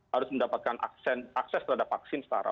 harus mendapatkan akses terhadap vaksin setara